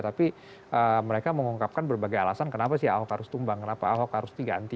tapi mereka mengungkapkan berbagai alasan kenapa sih ahok harus tumbang kenapa ahok harus diganti